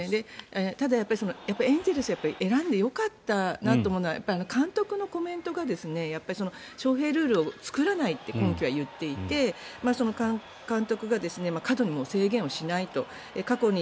ただ、エンゼルスを選んでよかったなと思うのは監督のコメントが翔平ルールを作らないって今季入っていて監督が過度に制限をしないと。